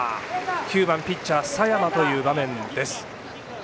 ９番ピッチャー佐山という場面です。